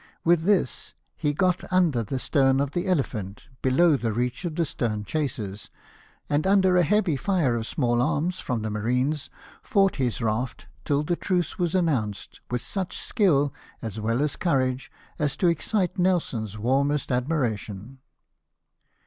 With this he got under the stern of the Elephant, below the reach of the stern chasers ; and, under a heavy fire of small arms from the marines, fought his raft, till the truce was announced, with such skill, as well as courage, as to excite Nelson's warmest admiration.